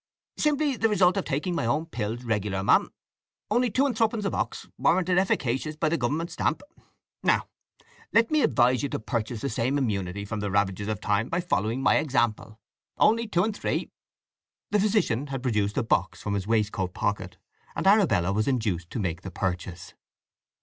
"Simply the result of taking my own pills regular, ma'am. Only two and threepence a box—warranted efficacious by the Government stamp. Now let me advise you to purchase the same immunity from the ravages of time by following my example? Only two and three." The physician had produced a box from his waistcoat pocket, and Arabella was induced to make the purchase.